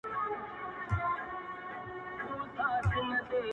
o کنعان خوږ دی قاسم یاره د یوسف له شرافته,